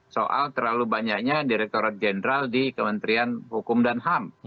soal terlalu banyaknya direkturat jenderal di kementerian hukum dan ham